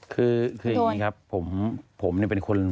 คืออย่างนี้ครับผมเป็นคน